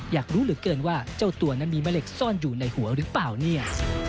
อยากรู้เหลือเกินว่าเจ้าตัวนั้นมีแม่เหล็กซ่อนอยู่ในหัวหรือเปล่าเนี่ย